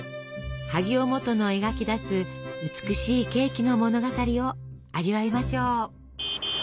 萩尾望都の描き出す美しいケーキの物語を味わいましょう。